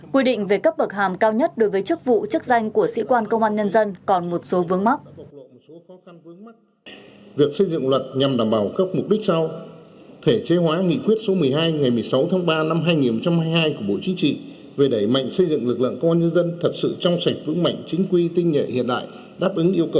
quy định về cấp bậc hàm cao nhất đối với chức vụ chức danh của sĩ quan công an nhân dân còn một số vướng mắc